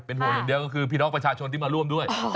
ห่วงอย่างเดียวก็คือพี่น้องประชาชนที่มาร่วมด้วย